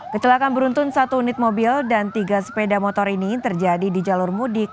kecelakaan beruntun satu unit mobil dan tiga sepeda motor ini terjadi di jalur mudik